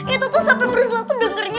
itu tuh sampe priscilla tuh dengernya